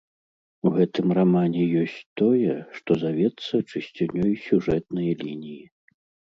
У гэтым рамане ёсць тое, што завецца чысцінёй сюжэтнай лініі.